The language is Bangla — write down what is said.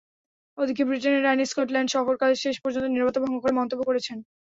ওদিকে ব্রিটেনের রানী স্কটল্যান্ড সফরকালে শেষ পর্যন্ত নিরবতা ভঙ্গ করে মন্তব্য করেছেন।